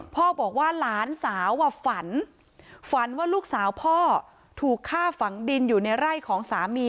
พ่อบอกว่าหลานสาวฝันฝันว่าลูกสาวพ่อถูกฆ่าฝังดินอยู่ในไร่ของสามี